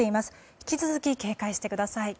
引き続き警戒してください。